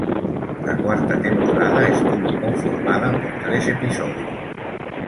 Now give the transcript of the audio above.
La cuarta temporada estuvo conformada por tres episodios.